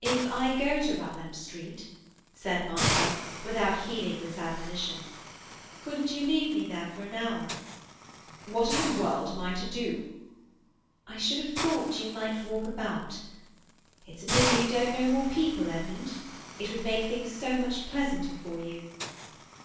"If I go to Rutland Street," said Monica, without heeding this admonition, "couldn't you leave me there for an hour?" "What in the world am I to do?" "I should have thought you might walk about. It's a pity you don't know more people, Edmund. It would make things so much pleasanter for you."